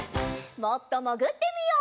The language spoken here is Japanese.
もっともぐってみよう。